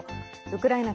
ウクライナ